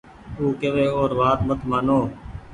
او ڪوي اور وآت مت مآنو